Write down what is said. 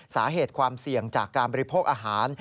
สาเหตุความเสี่ยงจากการบริโภคอาหาร